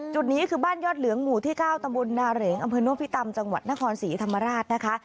จุดนี้คือบ้านยอดเหลืองหมู่ที่๙ตำบลนาเหรงอำเภอโนพิตำจังหวัดนครศรีธรรมราชนะคะ